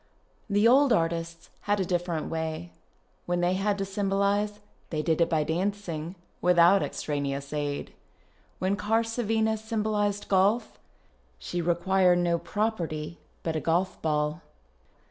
The old artists had a different way ; when they had to symbolize, they did it by dancing, without extraneous aid. When Karsavina symbolized golf, she required no " property '' but a golf ball.